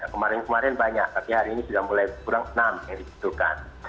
kemarin kemarin banyak tapi hari ini sudah mulai kurang enam yang dibutuhkan